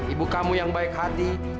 ibu kamu yang baik hati